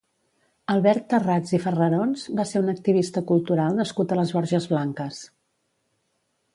Albert Tarrats i Farrerons va ser un activista cultural nascut a les Borges Blanques.